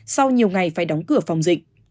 sau nhiều ngày phải đóng cửa phòng dịch